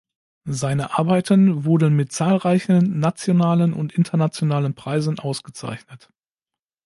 Seine Arbeiten wurden mit zahlreichen nationalen und internationalen Preisen ausgezeichnet.